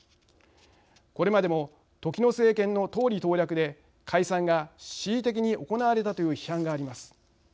これまでも時の政権の党利党略で解散が恣意的に行われたという批判があります。